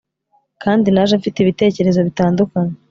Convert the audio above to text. kandi naje mfite ibitekerezo bitandukanye